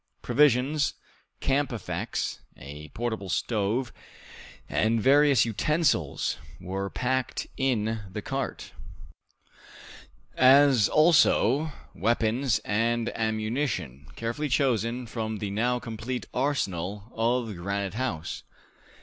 Provisions, camp effects, a portable stove, and various utensils were packed in the cart, as also weapons and ammunition, carefully chosen from the now complete arsenal of Granite House.